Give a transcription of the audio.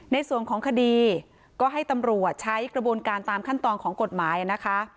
ในส่วนของคดีก็ให้ตำรวจใช้กระบวนการตามขั้นตอนของกฎหมายนะคะ